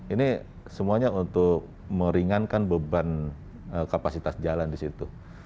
ini semuanya untuk meringankan beban kapasitas jalan di situ